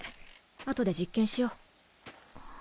後で実験しよう。